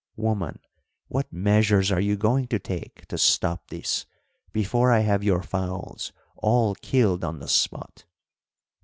Woman, what measures are you going to take to stop this before I have your fowls all killed on the spot?"